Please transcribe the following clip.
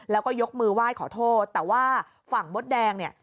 แล้วก็ยกมือไหว้ขอโทษแต่ว่าฝั่งมดแดงเนี่ย